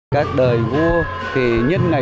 các đời vua thì nhất ngày